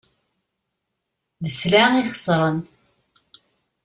D sselɛa ixesren.